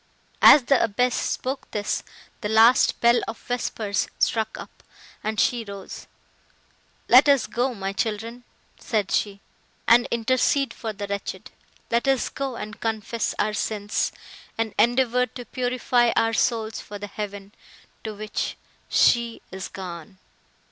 As the abbess spoke this, the last bell of vespers struck up, and she rose. "Let us go, my children," said she, "and intercede for the wretched; let us go and confess our sins, and endeavour to purify our souls for the heaven, to which she is gone!"